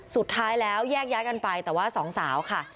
สุดท้ายแล้วแยกย้ายกันไปแต่ว่าสองสาวค่ะ